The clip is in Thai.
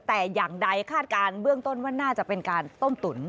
แต่อย่างใดคาดการณ์เบื้องต้นว่าน่าจะเป็นการต้มตุ๋น